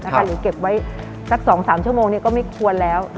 หรือเก็บไว้สัก๒๓ชั่วโมงก็ไม่ควรแล้ว